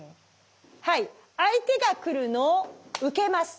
はい相手が来るのを受けます。